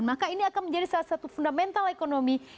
maka ini akan menjadi salah satu fundamental ekonomi